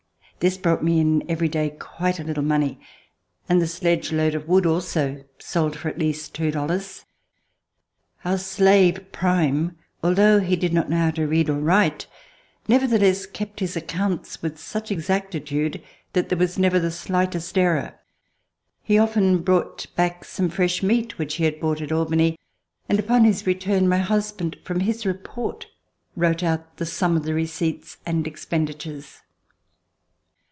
This brought me In every day quite a little money, and the sledge load of wood also sold for at least two dollars. Our slave, Prime, although he did not know how to read or write, nevertheless kept his accounts with such exactitude that there was never the slightest error. He often brought back some fresh meat which he had bought at Albany, and, upon his return, my husband, from his report, wrote out the sum of the receipts and expenditures.